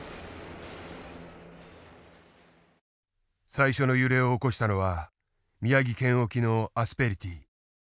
最初の揺れを起こしたのは宮城県沖のアスペリティー。